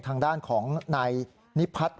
ทางด้านของนายนิพัฒน์